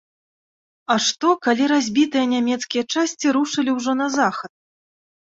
А што, калі разбітыя нямецкія часці рушылі ўжо на захад?